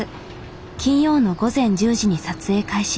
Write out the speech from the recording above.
金曜の午前１０時に撮影開始。